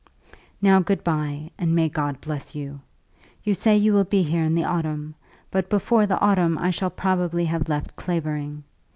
Now, good by, and may God bless you. You say you will be here in the autumn; but before the autumn I shall probably have left Clavering.